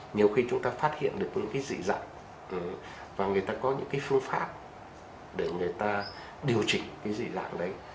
nhiều khi chúng ta phát hiện được những cái dị dạng và người ta có những cái phương pháp để người ta điều chỉnh cái gì lạc đấy